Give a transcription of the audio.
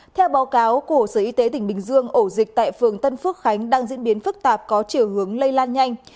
theo báo cáo của sở y tế tỉnh bình dương ổ dịch tại phường tân phước khánh đang diễn biến phức tạp có chiều hướng lây lan nhanh